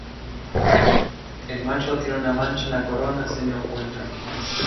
El macho tiene una mancha en la corona semi-oculta.